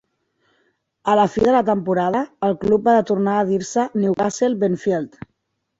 A la fi de la temporada, el club va tornar a dir-se Newcastle Benfield.